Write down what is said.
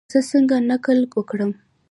زه څنګه نقل وکړم؟